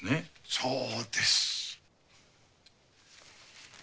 そうです。